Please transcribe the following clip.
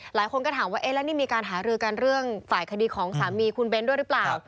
หลายคนก็ถามว่าเอ๊ะแล้วนี่มีการหารือกันเรื่องฝ่ายคดีของสามีคุณเบ้นด้วยหรือเปล่า